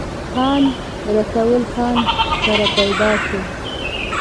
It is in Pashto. خان رسول خان کره پيدا شو ۔